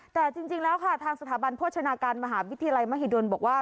แต่จริงแล้วค่ะทางสถาบันโภชนาการมหาวิทยาลัยมหิดลบอกว่า